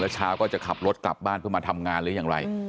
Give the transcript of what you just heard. เช้าก็จะขับรถกลับบ้านเพื่อมาทำงานหรือยังไร